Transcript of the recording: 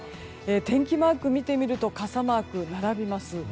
天気マークを見てみると傘マークが並びます。